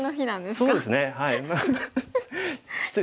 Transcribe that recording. そうですねはい。